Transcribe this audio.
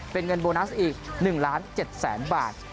เป็นเงินโบนัสอีก๑๗๐๐๐๐๐บาท